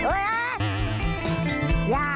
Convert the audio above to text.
ย่าดาวเก่าอีกย้า